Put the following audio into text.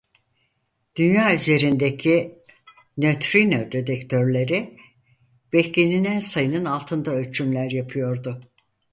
Dünya üzerindeki nötrino detektörleri beklenilen sayının altında ölçümler yapıyordu.